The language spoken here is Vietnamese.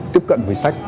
tiếp cận với sách